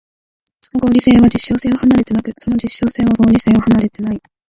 その合理性は実証性を離れてなく、その実証性は合理性を離れてない。